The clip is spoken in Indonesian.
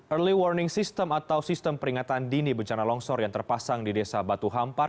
early warning system atau sistem peringatan dini bencana longsor yang terpasang di desa batu hampar